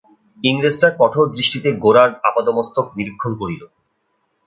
ইংরেজটা কঠোর দৃষ্টিতে গোরার আপাদমস্তক নিরীক্ষণ করিল।